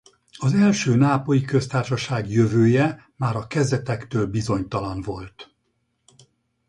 Az Első Nápolyi Köztársaság jövője már a kezdetektől bizonytalan volt.